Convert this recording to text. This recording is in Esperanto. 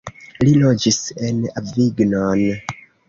Li loĝis en Avignon.